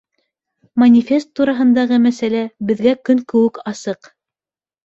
Манифест тураһындағы мәсьәлә беҙгә көн кеүек асыҡ.